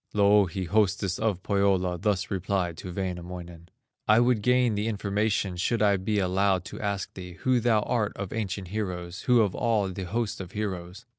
Louhi, hostess of Pohyola, Thus replied to Wainamoinen: "I would gain the information, Should I be allowed to ask thee, Who thou art of ancient heroes, Who of all the host of heroes?"